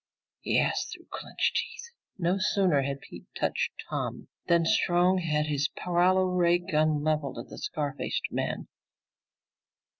he asked through clenched teeth. No sooner had Pete touched Tom than Strong had his paralo ray gun leveled at the scar faced man.